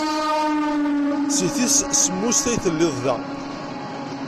Seg tis semmuset ay telliḍ da.